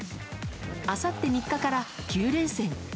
あさって３日から９連戦。